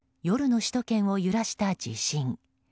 夜の首都圏を揺らした地震。